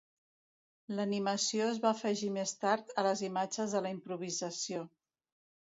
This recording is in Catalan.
L'animació es va afegir més tard a les imatges de la improvisació.